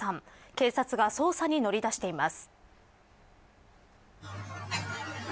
警察が捜査に乗り出しています。